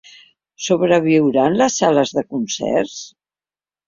Sobreviuran les sales de concerts?